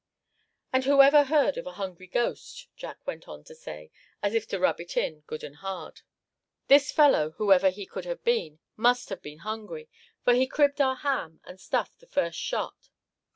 "And whoever heard of a hungry ghost?" Jack went on to say, so as to rub it in, good and hard. "This fellow, whoever he could have been, must have been hungry; for he cribbed our ham and stuff the first shot.